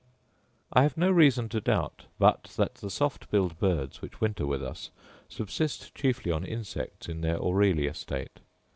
I have no reason to doubt but that the soft billed birds, which winter with us, subsist chiefly on insects in their aurelia state.